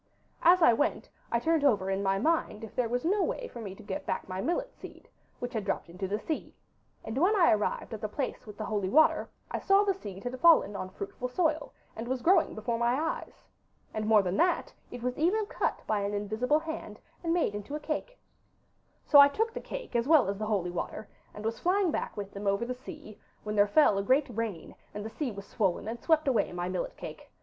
As I went I turned over in my mind if there was no way for me to get back my millet seed, which had dropped into the sea, and when I arrived at the place with the holy water I saw the seed had fallen on fruitful soil, and was growing before my eyes. And more than that, it was even cut by an invisible hand, and made into a cake. 'So I took the cake as well as the holy water, and was flying back with them over the sea, when there fell a great rain, and the sea was swollen, and swept away my millet cake.